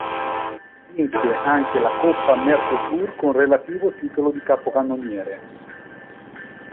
Vince anche la Coppa Mercosur, con relativo titolo di capocannoniere.